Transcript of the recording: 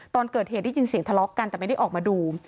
ตอนเกิดเหตุได้ยินเสียงทะเลาะกันแต่ไม่ได้ออกมาดู